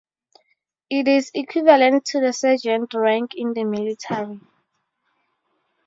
It is equivalent to the "sergeant" rank in the military.